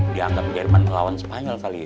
dianggap jerman lawan spanyol kali ya